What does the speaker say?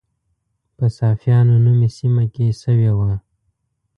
په صافیانو نومي سیمه کې شوې وه.